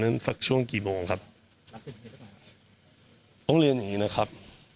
เรื่องถามเนี่ยสักช่วงกี่โมงครับรบตรงเรืออย่างงี้